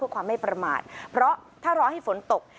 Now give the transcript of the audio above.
เพื่อความไม่ประมาทเพราะถ้ารอให้ฝนตก